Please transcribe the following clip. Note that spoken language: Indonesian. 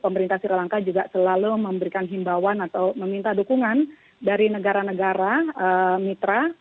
pemerintah sri lanka juga selalu memberikan himbauan atau meminta dukungan dari negara negara mitra